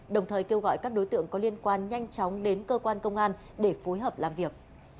đồng thời kêu gọi các đối tượng có liên quan nhanh chóng đến cơ quan công an để phối hợp làm việc